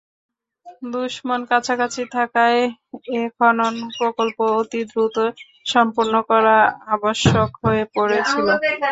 দুশমন কাছাকাছি থাকায় এ খনন প্রকল্প অতি দ্রুত সম্পন্ন করা আবশ্যক হয়ে পড়েছিল।